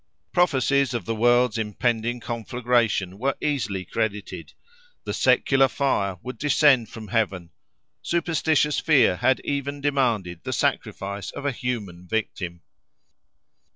Prophecies of the world's impending conflagration were easily credited: "the secular fire" would descend from heaven: superstitious fear had even demanded the sacrifice of a human victim.